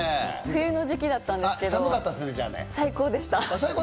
冬の時期だったんですけど最高でした。